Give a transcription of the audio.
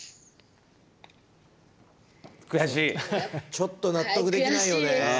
ちょっと納得できないよね。